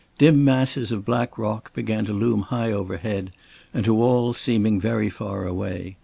Dim masses of black rock began to loom high overhead, and to all seeming very far away.